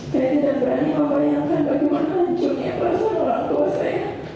saya tidak berani membayangkan bagaimana unsurnya kelas orang tua saya